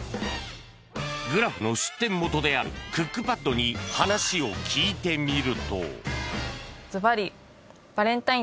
グラフの出典元であるクックパッドに話を聞いてみると